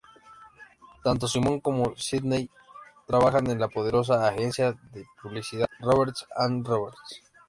Tanto Simon como Sydney trabajan en la poderosa agencia de publicidad Roberts and Roberts.